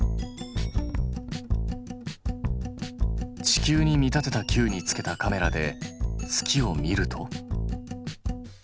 地球に見立てた球に付けたカメラで月を見ると。